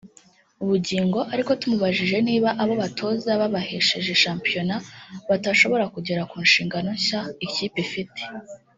Bugingo ariko tumubajije niba abo batoza babahesheje shampiyona batashobora kugera ku nshingano nshya ikipe ifite